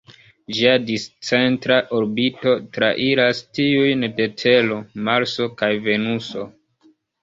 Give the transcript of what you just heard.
Ĝia discentra orbito trairas tiujn de Tero, Marso kaj Venuso.